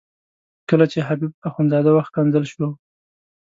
کله چې حبیب اخندزاده وښکنځل شو.